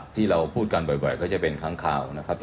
ที่เราพูดกันบ่อยก็จะเป็นครั้งข่าวนะครับ